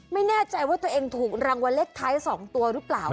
ไม่แน่ใจว่าตัวเองถูกรางวัลเลขท้าย๒ตัวหรือเปล่า